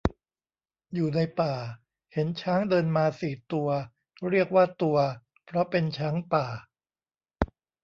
อยู่ในป่า เห็นช้างเดินมาสี่ตัว เรียกว่าตัวเพราะเป็นช้างป่า